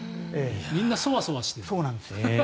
みんなそわそわしてる。